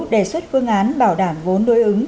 đề xuất phương án bảo đảm vốn đối ứng